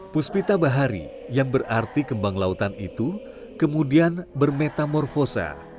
puspita bahari yang berarti kembang lautan itu kemudian bermetamorfosa